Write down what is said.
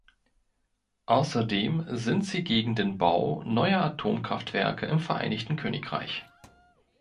Außerdem sind sie gegen den Bau neuer Atomkraftwerke im Vereinigten Königreich.